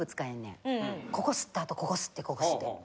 ここすった後ここすってここすって。